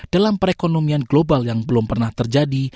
dalam perekonomian global yang belum pernah terjadi